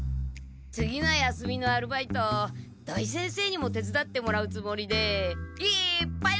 次の休みのアルバイト土井先生にもてつだってもらうつもりでいっぱい受けちゃいました。